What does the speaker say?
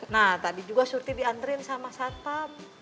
nah tadi juga surti diantriin sama satpam